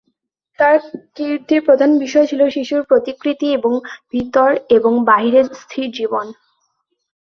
তার কীর্তির প্রধান বিষয় ছিল শিশুর প্রতিকৃতি এবং ভিতর এবং বাহিরে স্থির জীবন।